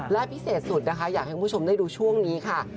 และพิเศษสุดนะคะอยากให้คุณผู้ชมได้ดูช่วงนี้ค่ะ